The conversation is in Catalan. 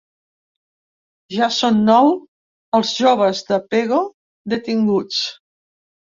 Ja són nou els joves de pego detinguts.